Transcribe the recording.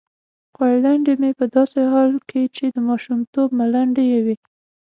خورلنډې مې په داسې حال کې چې د ماشومتوب ملنډې یې وې.